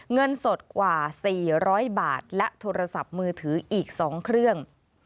เงินสดกว่า๔๐๐บาทและโทรศัพท์มือถืออีก๒เครื่อง